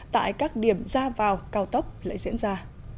tại các điểm ra vào cao tốc lại diễn ra